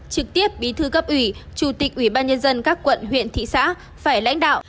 trực tiếp bí thư cấp ủy chủ tịch ủy ban nhân dân các quận huyện thị xã phải lãnh đạo